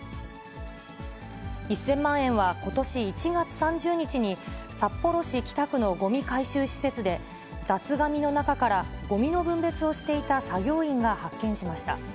１０００万円はことし１月３０日に札幌市北区のごみ回収施設で、雑がみの中からごみの分別をしていた作業員が発見しました。